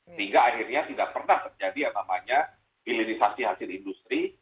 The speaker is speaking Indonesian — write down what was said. sehingga akhirnya tidak pernah terjadi yang namanya hilirisasi hasil industri